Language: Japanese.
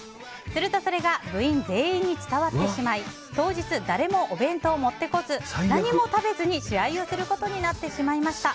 すると、それが部員全員に伝わってしまい当日、誰もお弁当を持ってこず、何も食べずに試合をすることになってしまいました。